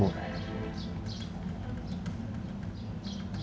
lu udah diganti sama orang gua